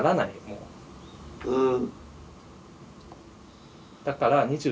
うん。